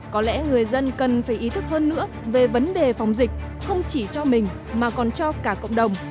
có lẽ người dân cần phải ý thức hơn nữa về vấn đề phòng dịch không chỉ cho mình mà còn cho cả cộng đồng